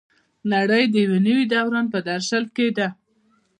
نړۍ د یو نوي دوران په درشل کې ده.